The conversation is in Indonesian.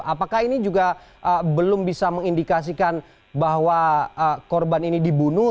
apakah ini juga belum bisa mengindikasikan bahwa korban ini dibunuh